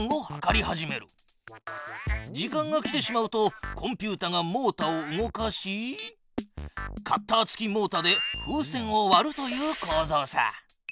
時間が来てしまうとコンピュータがモータを動かしカッター付きモータで風船をわるというこうぞうさ。